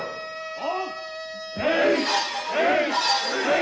お！